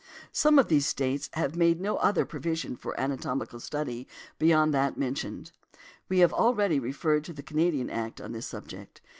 Some of these States |156| have made no other provision for anatomical study beyond that mentioned . We have already referred to the Canadian Act on this subject.